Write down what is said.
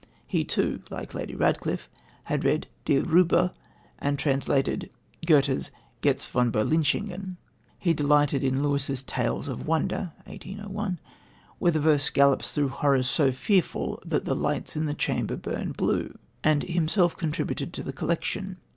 He, too, like Lady Ratcliffe, had read Die Räuber; and he translated Goethe's Gëtz von Berlichingen. He delighted in Lewis's Tales of Wonder (1801) where the verse gallops through horrors so fearful that the "lights in the chamber burn blue," and himself contributed to the collection.